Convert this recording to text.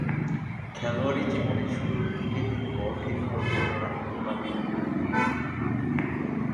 খেলোয়াড়ী জীবনের শুরুরদিকে তিনি বলকে নিয়ন্ত্রণে রাখতে পারতেন না।